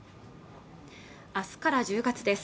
明日から１０月です